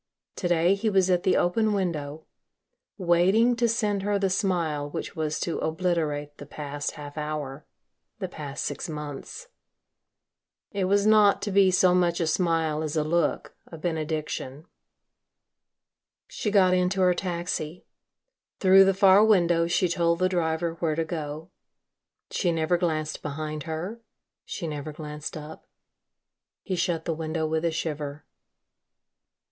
To day, he was at the open window, waiting to send her the smile which was to obliterate the past half hour, the past six months. It was not to be so much a smile as a look, a benediction. She got into her taxi. Through the far window she told the driver where to go. She never glanced behind her, she never glanced up. He shut the window with a shiver.